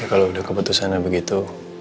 kalau udah keputusannya begitu